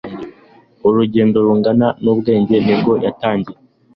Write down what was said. urugendo rugana ubwenge nirwo yatangiye